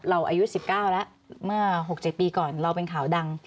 อายุ๑๙แล้วเมื่อ๖๗ปีก่อนเราเป็นข่าวดัง